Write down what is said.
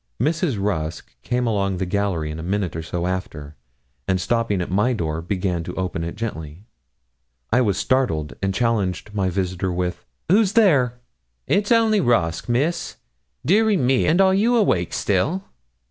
Mrs. Rusk came along the gallery in a minute or so after, and stopping at my door, began to open it gently. I was startled, and challenged my visitor with 'Who's there?' 'It's only Rusk, Miss. Dearie me! and are you awake still?'